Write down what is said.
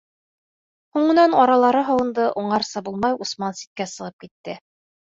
Һуңынан аралары һыуынды, уңарса булмай Усман ситкә сығып китте.